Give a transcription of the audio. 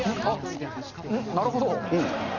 あっ、うん？なるほど。